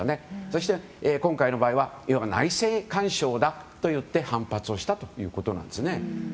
そして今回の場合は要は内政干渉だといって反発をしたということなんですね。